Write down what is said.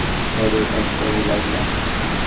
কিন্তু বিধির বিপাকে প্ল্যান করা ছাড়িয়া কাজ করায় লাগিলাম।